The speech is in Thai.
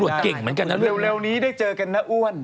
เร็วนี้ได้เจอกันนะอ้วน